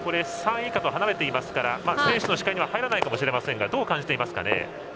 ３位以下と離れていますから選手の視界には入らないかもしれませんがどう感じていますかね。